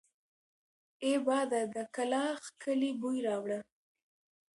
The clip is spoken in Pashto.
اې باده د کلاخ کلي بوی راوړه!